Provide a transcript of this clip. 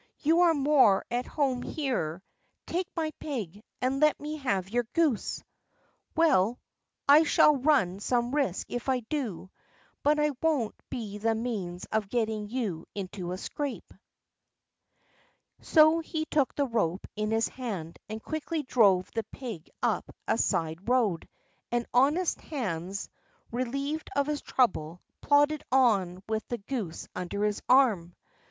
You are more at home here; take my pig, and let me have your goose." "Well, I shall run some risk if I do, but I won't be the means of getting you into a scrape." So he took the rope in his hand, and quickly drove the pig up a side road; and honest Hans, relieved of his trouble, plodded on with the goose under his arm.